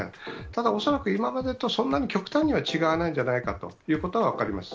ただ、恐らく今までとそんなに極端には違わないんじゃないかということは分かります。